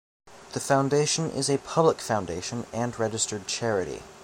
The foundation is a public foundation and registered charity.